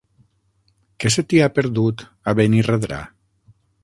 Què se t'hi ha perdut, a Benirredrà?